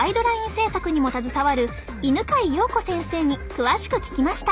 制作にも携わる犬飼洋子先生に詳しく聞きました。